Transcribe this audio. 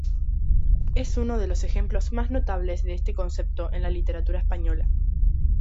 Es uno de los ejemplos más notables de este concepto en la literatura española.